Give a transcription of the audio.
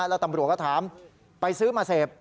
แล้วตำรวจก็ถามไปซื้อมาเสพ